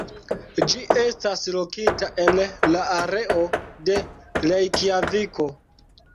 Ĝi estas lokita en la areo de Rejkjaviko.